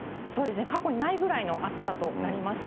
過去にないくらいの暑さとなりました。